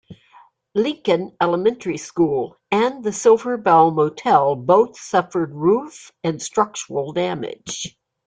Lincoln Elementary School and the Silver Bell Motel both suffered roof and structural damage.